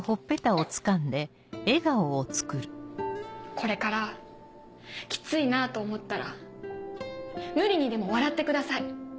これからきついなぁと思ったら無理にでも笑ってください。